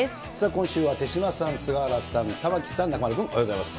今週は手嶋さん、菅原さん、玉城さん、中丸君、おはようございます。